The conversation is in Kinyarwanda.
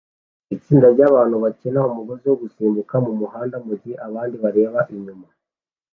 Itsinda ryabana bakina umugozi wo gusimbuka mumuhanda mugihe abandi bareba inyuma